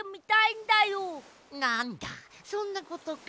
なんだそんなことか。